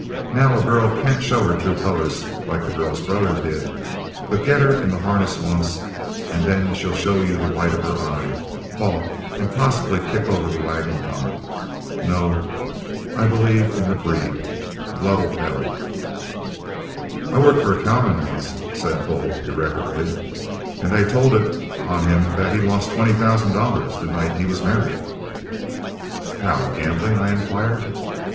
Now a girl can't show her true colors like the girl's brother did, but get her in the harness once, and then she'll show you the white of her eye, balk, and possibly kick over the wagon tongue. No, I believe in the breed blood'll tell." "I worked for a cowman once," said Bull, irrelevantly, "and they told it on him that he lost twenty thousand dollars the night he was married." "How, gambling?" I inquired.